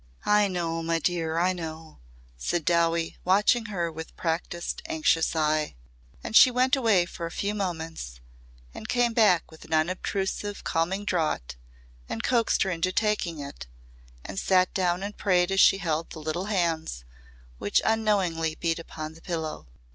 "I know, my dear, I know," said Dowie watching her with practised, anxious eye. And she went away for a few moments and came back with an unobtrusive calming draught and coaxed her into taking it and sat down and prayed as she held the little hands which unknowingly beat upon the pillow.